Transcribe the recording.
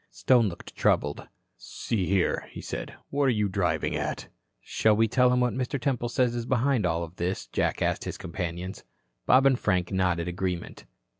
Stone looked troubled. "See here," he said. "What are you driving at?" "Shall we tell him what Mr. Temple says is behind all this?" Jack asked his companions. Bob and Frank nodded agreement.